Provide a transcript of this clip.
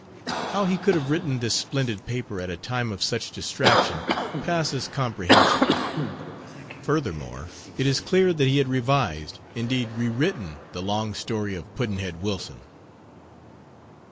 How he could have written this splendid paper at a time of such distraction passes comprehension. Furthermore, it is clear that he had revised, indeed rewritten, the long story of Pudd'nhead Wilson.